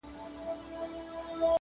چي هر څوک د ځان په غم دي؛